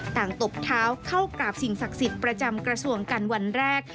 ตบเท้าเข้ากราบสิ่งศักดิ์สิทธิ์ประจำกระทรวงกันวันแรก